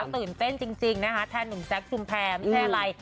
ตื่นเต้นจริงเท่านุ่มแจ็คจุมแพลไม่ใช่อะไร